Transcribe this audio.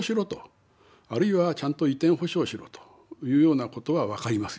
あるいはちゃんと移転補償しろというようなことは分かりますよ